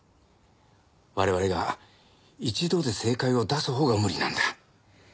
我々が一度で正解を出すほうが無理なんだ。